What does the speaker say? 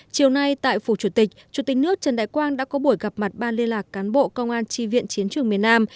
chiều nay tại phủ chủ tịch chủ tịch nước trần đại quang đã có buổi gặp mặt ban liên lạc cán bộ công an tri viện chiến trường miền nam